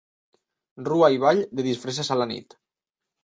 Rua i ball de disfresses a la nit.